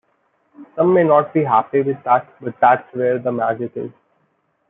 Some may not be happy with that, but that's where the magic is.